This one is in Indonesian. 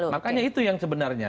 makanya itu yang sebenarnya